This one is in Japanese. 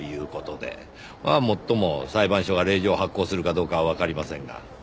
まあもっとも裁判所が令状を発行するかどうかはわかりませんが。